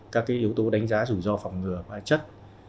các yếu tố đánh giá rủi ro phòng ngừa hóa chất